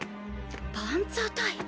パンツァー隊！